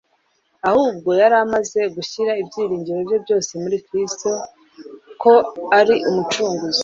ahubwo yari amaze gushyira ibyiringiro bye byose muri Kristo ko ari Umucunguzi.